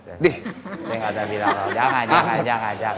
jangan jangan jangan